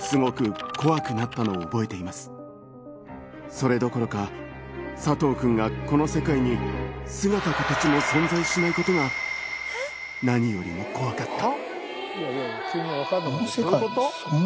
それどころか佐藤君がこの世界に姿形も存在しないことが何よりも怖かった。